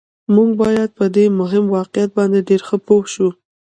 موږ باید په دې مهم واقعیت باندې ډېر ښه پوه شو